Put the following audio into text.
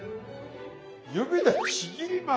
指でちぎります。